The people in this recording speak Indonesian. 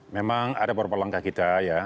memang ada beberapa langkah kita ya